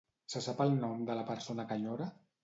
Se sap el nom de la persona que enyora?